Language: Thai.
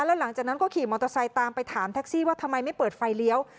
แล้วหลังจากนั้นก็ขี่มอเตอร์ไซค์ตามไปถามแท็กซี่ว่าทำไมไม่เปิดไฟเลี้ยว